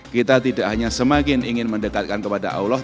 kita tidak hanya semakin ingin mendekatkan kepada allah